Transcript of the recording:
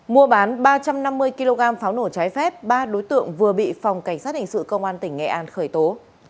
mua bán ba trăm năm mươi kg pháo nổ trái phép ba đối tượng vừa bị phòng cảnh sát hình sự công an tỉnh nghệ an khởi tố